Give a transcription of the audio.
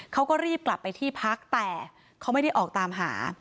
เขาก็รีบกลับไปที่พักแต่เขาไม่ได้ออกตามหา